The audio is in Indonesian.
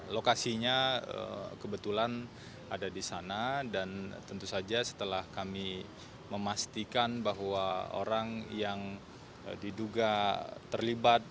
lokasinya kebetulan ada di sana dan tentu saja setelah kami memastikan bahwa orang yang diduga terlibat